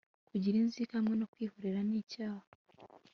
kugira inzika hamwe no kwihorera ni icyaha